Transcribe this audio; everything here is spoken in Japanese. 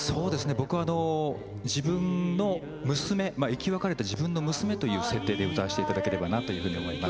僕は、自分の娘生き別れた自分の娘という設定で歌わせていただければなと思います。